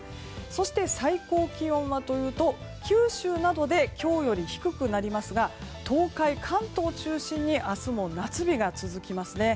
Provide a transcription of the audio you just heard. そして、最高気温はというと九州などで今日より低くなりますが東海、関東中心に明日も夏日が続きますね。